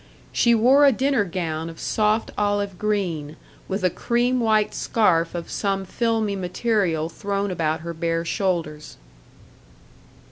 She wore a dinner gown of soft olive green, with a cream white scarf of some filmy material thrown about her bare shoulders.